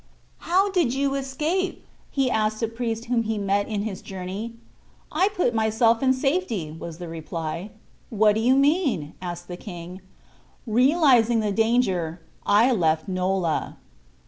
"How did you escape?" he asked a priest whom he met in his journey. "I put myself in safety," was the reply. "What do you mean?" asked the King. "Realizing the danger, I left Nola."